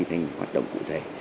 thành hoạt động cụ thể